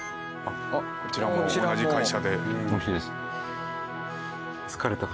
こちらも同じ会社で。